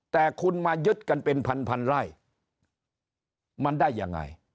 แต่คุณมายึดกันเป็นพันไร่มันได้ยังไง